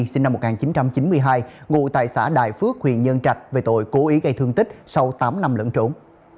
sinh năm một nghìn chín trăm chín mươi hai ngụ tại xã đại phước huyện nhân trạch về tội cố ý gây thương tích sau tám năm lẫn trốn